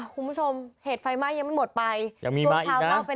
คุณผู้ชมเหตุไฟไหม้ยังไม่หมดไปยังมีมาอีกน่ะไป